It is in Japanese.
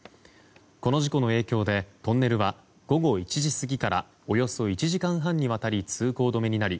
この事故の影響で、トンネルは午後１時過ぎからおよそ１時間半にわたり通行止めになり